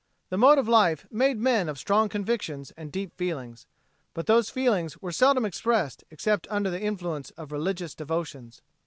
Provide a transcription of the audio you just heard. The mode of life made men of strong convictions and deep feelings. But those feelings were seldom expressed except under the influence of religious devotions.